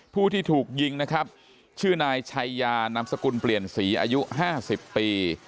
ผู้ที่ถูกยิงนะครับชื่อนายชัยยานามสกุลเปลี่ยนศรีอายุ๕๐ปี